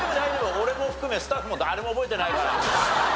俺も含めスタッフも誰も覚えてないから。